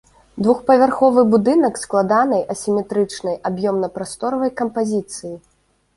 Двухпавярховы будынак складанай асіметрычнай аб'ёмна-прасторавай кампазіцыі.